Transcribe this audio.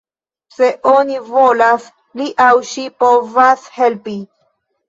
Se oni volas, li aŭ ŝi povas helpi.